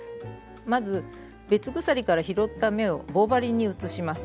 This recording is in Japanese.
まず別鎖から拾った目を棒針に移します。